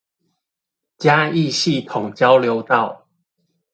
嘉義系統交流道